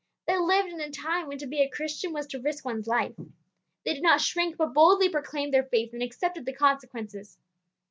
They lived in a time when to be a Christian was to risk one's life. They did not shrink, but boldly proclaimed their faith and accepted the consequences.